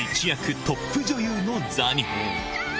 一躍トップ女優の座に。